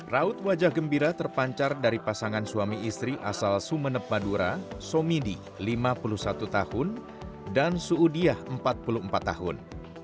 raut wajah gembira terpancar dari pasangan suami istri asal sumeneb madura somidi lima puluh satu tahun dan suudiah empat puluh empat tahun